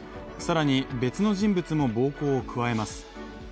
更に別の人物も暴行を加えます。